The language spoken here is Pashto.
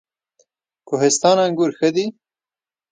کوهستان انګور ښه دي؟